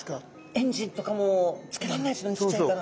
エンジンとかもつけらんないっすもんねちっちゃいから。